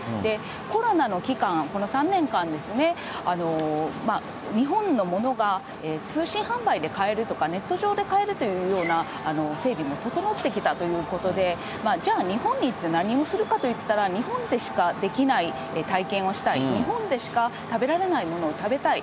コロナの期間、この３年間ですね、日本のものが通信販売で買えるとか、ネット上で買えるというような整備も整ってきたということで、じゃあ、日本に行って何をするかといったら、日本でしかできない体験をしたい、日本でしか食べられないものを食べたい。